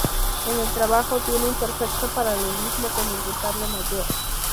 El trabajo tiene un perfecto paralelismo con el retablo mayor.